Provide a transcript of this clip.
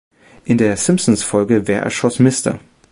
In der Simpsons-Folge "Wer erschoss Mr.